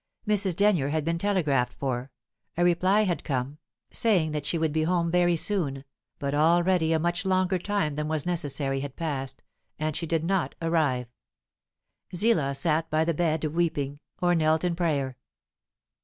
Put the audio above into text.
Mrs. Denyer had been telegraphed for; a reply had come, saying that she would be home very soon, but already a much longer time than was necessary had passed, and she did not arrive. Zillah sat by the bed weeping, or knelt in prayer.